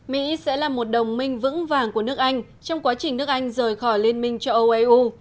mỹ sẽ là một đồng minh vững vàng của nước anh trong quá trình nước anh rời khỏi liên minh châu âu eu